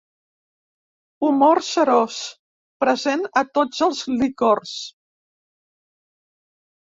Humor serós present a tots els licors.